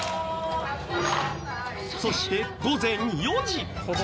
そして午前４時。